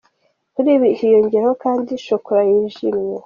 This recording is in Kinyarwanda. Kuri ibi hiyongeraho kandi ‘Chocolat yijimye.